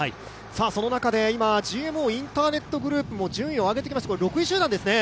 その中で今ＧＭＯインターネットグループも順位を上げてきました、６位集団ですね。